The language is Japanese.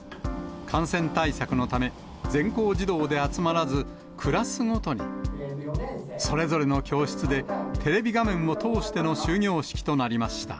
感染対策のため、全校児童で集まらず、クラスごとに、それぞれの教室でテレビ画面を通しての終業式となりました。